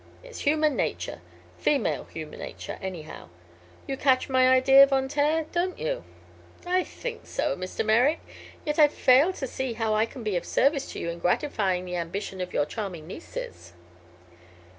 It's human nature female human nature, anyhow. You catch my idea, Von Taer, don't you?" "I think so, Mr. Merrick. Yet I fail to see how I can be of service to you in gratifying the ambition of your charming nieces."